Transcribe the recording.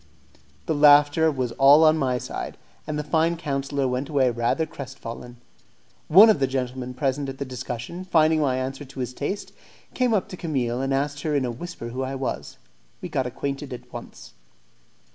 The laughter was all on my side, and the fine councillor went away rather crestfallen. One of the gentlemen present at the discussion, finding my answer to his taste, came up to Camille, and asked her in a whisper who I was. We got acquainted at once.